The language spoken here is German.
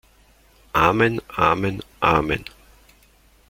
Amen, Amen, Amen!